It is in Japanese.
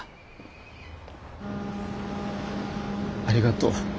ありがとう。